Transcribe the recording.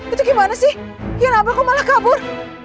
itu gimana sih ya nabrak malah kabur